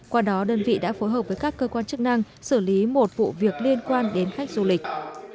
qua đó đơn vị đã phối hợp với các cơ quan chức năng xử lý một vụ việc liên quan đến khách du lịch